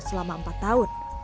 selama empat tahun